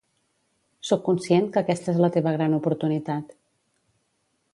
Soc conscient que aquesta és la teva gran oportunitat.